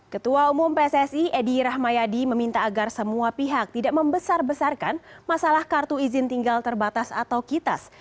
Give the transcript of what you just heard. ketua umum pssi edi rahmayadi meminta agar semua pihak tidak membesar besarkan masalah kartu izin tinggal terbatas atau kitas